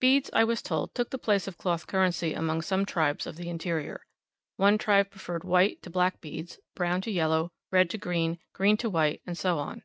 Beads, I was told, took the place of cloth currency among some tribes of the interior. One tribe preferred white to black beads, brown to yellow, red to green, green to white, and so on.